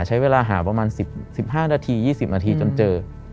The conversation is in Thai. ใช้เวลาหาประมาณ๑๕นาที๒๐นาทีจนเจอ